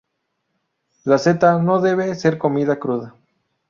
La seta no debe ser comida cruda.